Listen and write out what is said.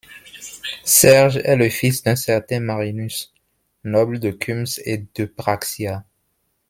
Serge est le fils d'un certain Marinus, noble de Cumes, et d'Eupraxia.